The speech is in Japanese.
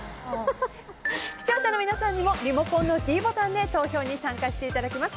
視聴者の皆さんにもリモコンのｄボタンで投票に参加していただきます。